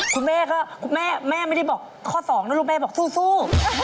คุณแม่ไม่ได้บอกข้อ๒นะลูกแม่บอกสู้